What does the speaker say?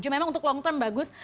cuma memang untuk long term bagus